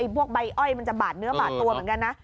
ใบอ้อยมันจะบาดเนื้อบาดตัวเหมือนกันนะ